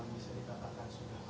karena kan kemarin sudah